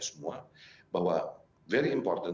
semua bahwa very important